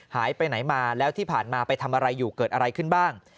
หายไปไหนมาแล้วที่ผ่านมาไปทำอะไรอยู่เกิดอะไรขึ้นบ้าง